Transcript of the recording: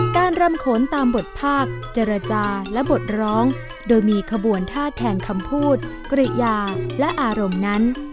รำโขนตามบทภาคเจรจาและบทร้องโดยมีขบวนท่าแทนคำพูดกริยาและอารมณ์นั้น